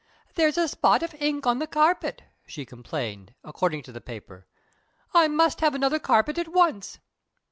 'There's a spot of ink on the carpet,' she complained (according to the paper). 'I must have another carpet at once.'